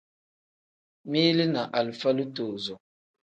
Mili ni alifa litozo.